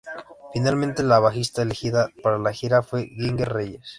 Finalmente la bajista elegida para la gira fue Ginger Reyes.